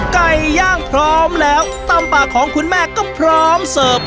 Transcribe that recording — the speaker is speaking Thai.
ไก่ย่างพร้อมแล้วตำปากของคุณแม่ก็พร้อมเสิร์ฟ